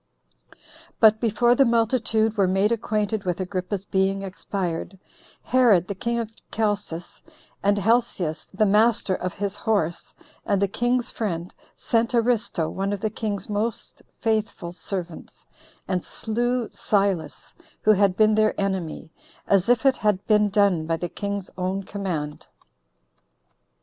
23 3. But before the multitude were made acquainted with Agrippa's being expired, Herod the king of Chalcis, and Helcias the master of his horse, and the king's friend, sent Aristo, one of the king's most faithful servants, and slew Silas, who had been their enemy, as if it had been done by the king's own command.